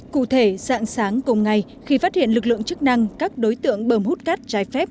cụ thể sáng sáng cùng ngày khi phát hiện lực lượng chức năng các đối tượng bầm hút cát trái phép